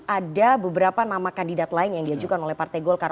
ada beberapa nama kandidat lain yang diajukan oleh partai golkar